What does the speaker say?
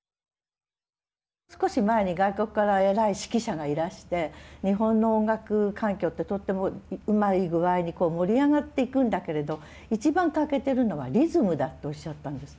少し前に外国から偉い指揮者がいらして日本の音楽環境ってとってもうまい具合にこう盛り上がっていくんだけれど一番欠けてるのはリズムだっておっしゃったんですって。